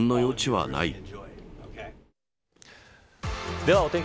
ではお天気